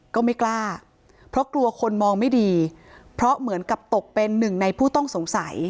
ก็ไม่กล้าเพราะกลัวคนมองไม่ดีเพราะเหมือนกับตกเป็นหนึ่งในผู้ต้องสงสัย